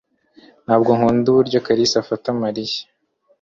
Ntabwo nkunda uburyo Kalisa afata Mariya